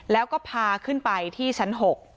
แล้วก็พาขึ้นไปที่ชั้น๖